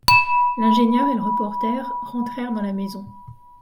L’ingénieur et le reporter rentrèrent dans la maison.